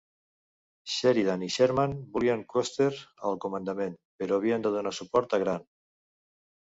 Sheridan i Sherman volien Custer al comandament però havien de donar suport a Grant.